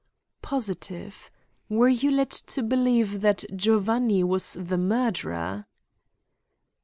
"Positive. Were you led to believe that Giovanni was the murderer?"